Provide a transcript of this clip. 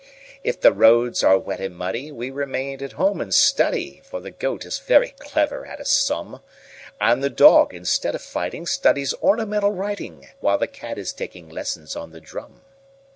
If the roads are wet and muddyWe remain at home and study,—For the Goat is very clever at a sum,—And the Dog, instead of fighting, Studies ornamental writing, While the Cat is taking lessons on the drum.